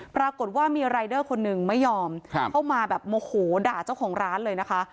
ปรากฏว่ามีรายเดอร์คนหนึ่งไม่ยอมเข้ามาแบบโมโหด่าเจ้าของร้านเลยนะคะ